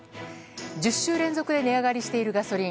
１０週連続で値上がりしているガソリン。